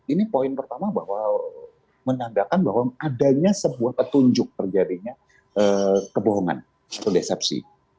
ini poin pertama bahwa menandakan bahwa adanya sebuah petunjuk terjadinya kebohongan atau desepsi